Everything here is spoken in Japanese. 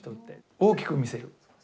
大きく見せる。